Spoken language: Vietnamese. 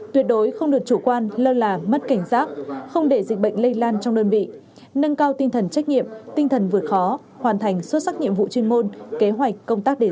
tuyệt đối không được chủ quan lơ là mất cảnh giác không để dịch bệnh lây lan trong đơn vị nâng cao tinh thần trách nhiệm tinh thần vượt khó hoàn thành xuất sắc nhiệm vụ chuyên môn kế hoạch công tác đề ra